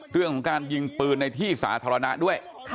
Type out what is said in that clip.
เรื่องของการยิงปืนในที่สาธารณะด้วย